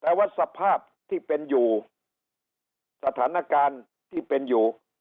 แต่ว่าสภาพที่เป็นอยู่สถานการณ์ที่เป็นอยู่